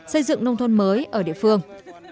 xây dựng nông thôn mới ở địa phương